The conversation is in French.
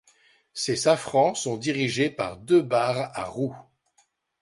Ces safrans sont dirigés par deux barres à roue.